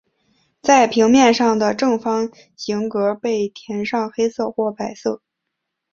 在平面上的正方形格被填上黑色或白色。